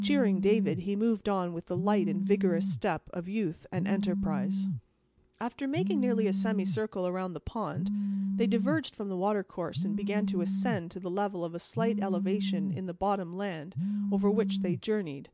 Cheering David, he moved on with the light and vigorous step of youth and enterprise. After making nearly a semicircle around the pond, they diverged from the water course, and began to ascend to the level of a slight elevation in that bottom land, over which they journeyed.